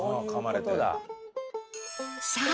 さあ